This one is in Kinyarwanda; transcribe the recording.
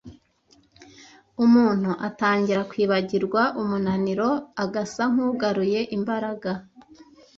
Umuntu atangira kwibagirwa umunaniro, agasa nk’ugaruye imbaraga,